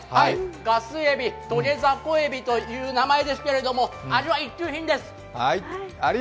ガスエビ、トゲザコエビという名前ですけども味は一級品です。